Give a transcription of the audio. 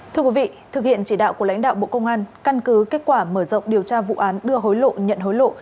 thưa quý vị thực hiện chỉ đạo của lãnh đạo bộ công an căn cứ kết quả mở rộng điều tra vụ án đưa hối lộ nhận hối lộ